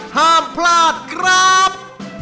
ห้ามพลาดครับ